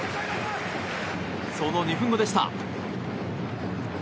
その２分後でした。